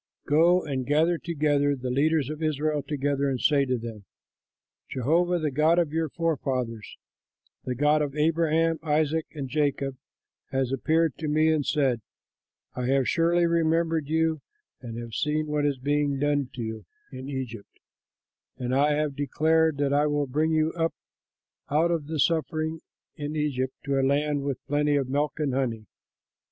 Go and gather the leaders of Israel together and say to them, 'Jehovah the God of your forefathers, the God of Abraham, Isaac, and Jacob, has appeared to me and said, I have surely remembered you and have seen what is being done to you in Egypt, and I have declared that I will bring you up out of the suffering in Egypt to a land with plenty of milk and honey.'